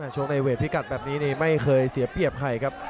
ช่วงในเวทพิกัดแบบนี้นี่ไม่เคยเสียเปรียบใครครับ